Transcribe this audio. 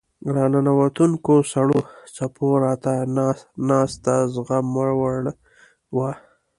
راننوتونکو سړو څپو راته نه ناسته زغموړ وه.